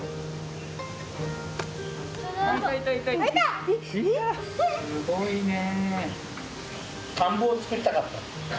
すごいね。